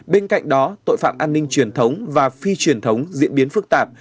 bên cạnh đó tội phạm an ninh truyền thống và phi truyền thống diễn biến phức tạp